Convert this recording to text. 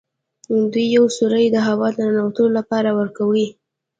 دوی یو سوری د هوا د ننوتلو لپاره ورکوي.